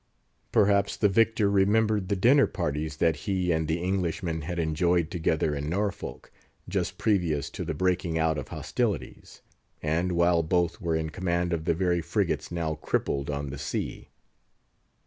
Perhaps the victor remembered the dinner parties that he and the Englishman had enjoyed together in Norfolk, just previous to the breaking out of hostilities—and while both were in command of the very frigates now crippled on the sea.